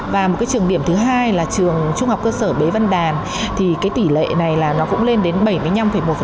và một trường điểm thứ hai là trường trung học cơ sở bế văn đàn tỷ lệ này cũng lên đến bảy mươi năm một